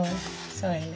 そうよね。